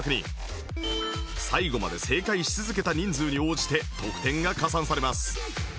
最後まで正解し続けた人数に応じて得点が加算されます